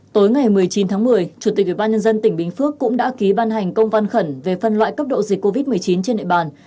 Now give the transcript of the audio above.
tối ngày một mươi chín tháng một mươi chủ tịch ubnd tỉnh bình phước cũng đã ký ban hành công văn khẩn về phân loại cấp độ dịch covid một mươi chín trên địa bàn